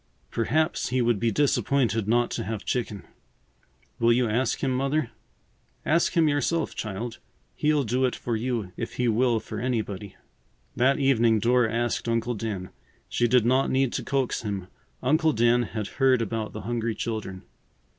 Perhaps he would be disappointed not to have chicken. Will you ask him, Mother?" "Ask him yourself, child. He'll do it for you if he will for anybody." That evening Dora asked Uncle Dan. She did not need to coax him. Uncle Dan had heard about the hungry children.